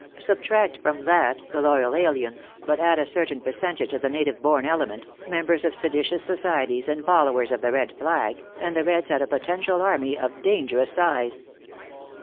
Subtract from that the loyal aliens, but add a certain percentage of the native born element, members of seditious societies and followers of the red flag, and the Reds had a potential army of dangerous size.